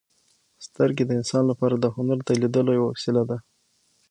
• سترګې د انسان لپاره د هنر د لیدلو یوه وسیله ده.